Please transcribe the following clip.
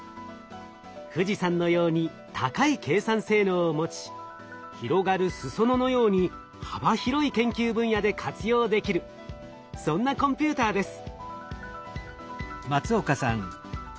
富士山のように高い計算性能を持ち広がるすそ野のように幅広い研究分野で活用できるそんなコンピューターです。